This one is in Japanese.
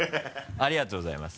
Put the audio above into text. ありがとうございます。